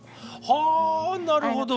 はあなるほど。